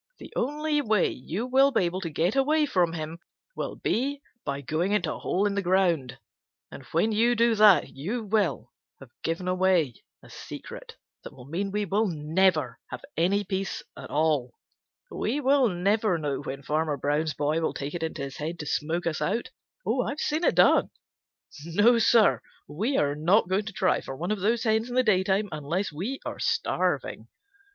The only way you will be able to get away from him will be by going into a hole in the ground, and when you do that you will have given away a secret that will mean we will never have any peace at all. We will never know when Farmer Brown's boy will take it into his head to smoke us out. I've seen it done. No, Sir, we are not going to try for one of those hens in the daytime unless we are starving."